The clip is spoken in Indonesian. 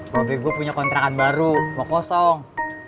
robby gue punya kontrakan baru mau kosong